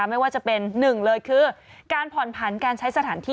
ไม่ว่าจะเป็นหนึ่งเลยคือการผ่อนผันการใช้สถานที่